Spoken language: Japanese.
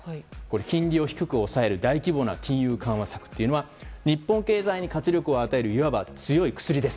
金利を低く抑える大規模な金融緩和策は日本経済に活力を与えるいわば強い薬です。